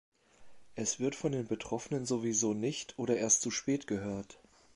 Es wird von den Betroffenen sowieso nicht oder erst zu spät gehört.